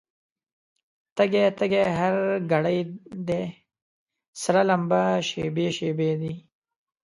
تږی، تږی هر ګړی دی، سره لمبه شېبې شېبې دي